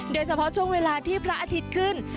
โดยเฉพาะช่วงเวลาที่พระอาทิตย์ขึ้น